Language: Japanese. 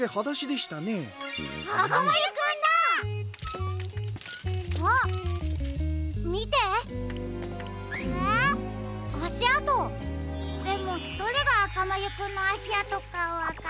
でもどれがあかまゆくんのあしあとかわからないよ。